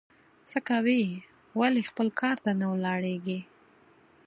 څه کوې ؟ ولي خپل کار ته نه ولاړېږې؟